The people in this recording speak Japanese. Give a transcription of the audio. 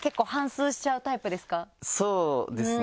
そうですね。